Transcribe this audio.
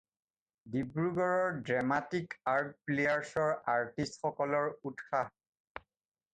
ডিব্ৰুগড়ৰ dramatic art প্লেয়াৰ্ছৰ artist সকলৰ উৎসাহ